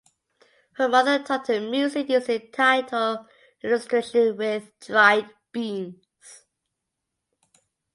Her mother taught her music using tactile illustrations with dried beans.